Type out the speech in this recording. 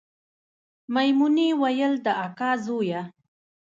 میمونې ویل د کاکا زویه